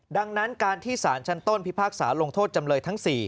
ดังนั้นการที่สารชั้นต้นพิพากษาลงโทษจำเลยทั้ง๔